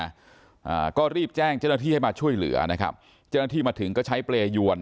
อ่าก็รีบแจ้งเจ้าหน้าที่ให้มาช่วยเหลือนะครับเจ้าหน้าที่มาถึงก็ใช้เปรยวน